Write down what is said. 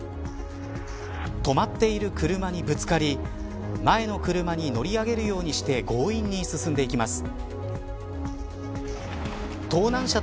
止まっている車にぶつかり前の車に乗り上げるようにして強引に進んでいきます。